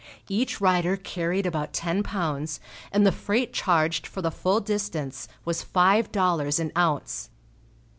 Each rider carried about ten pounds, and the freight charged for the full distance was five dollars an ounce.